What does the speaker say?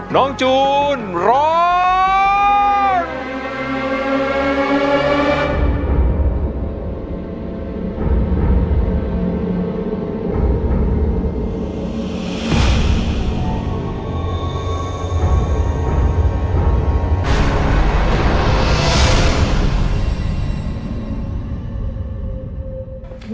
ขอบคุณครับ